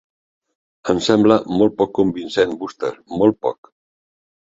Em sembla molt poc convincent, Wooster, molt poc.